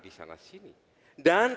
di sana sini dan